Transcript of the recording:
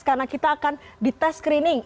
karena kita akan dites screening